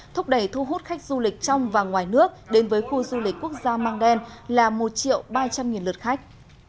thúc đẩy thu hút khách du lịch trong và ngoài nước đến với khu du lịch quốc gia mang đen là một ba trăm linh lượt khách